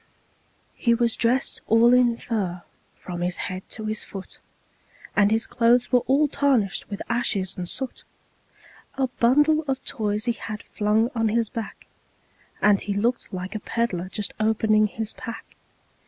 He was dressed all in fur, from his head to his foot, And his clothes were all tarnished with ashes and soot; A bundle of toys he had flung on his back, And he looked like a peddler just opening his pack.